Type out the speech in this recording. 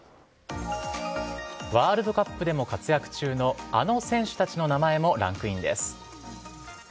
ワールドカップでも活躍中の、あの選手たちの名前もランクインです。